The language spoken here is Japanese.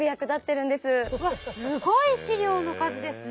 うわすごい資料の数ですね。